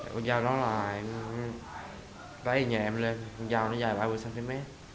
con dao đó là em lấy nhà em lên con dao nó dài ba mươi cm